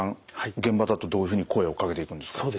現場だとどういうふうに声をかけていくんですか？